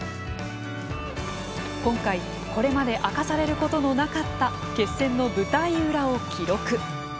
今回これまで明かされることのなかった決戦の舞台裏を記録。